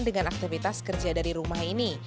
dengan aktivitas kerja dari rumah ini